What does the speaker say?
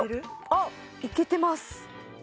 あっいけてます